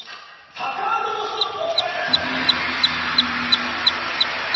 タカアンドトシのお２人です！